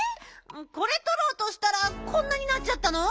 これとろうとしたらこんなになっちゃったの？